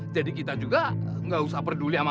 jadi kita juga gak usah peduli sama